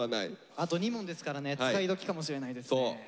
あと２問ですからね使い時かもしれないですね。